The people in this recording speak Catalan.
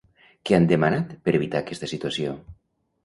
Què han demanat per evitar aquesta situació?